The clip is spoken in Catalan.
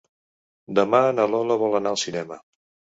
Demà na Lola vol anar al cinema.